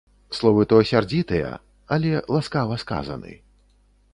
Словы то сярдзітыя, але ласкава сказаны.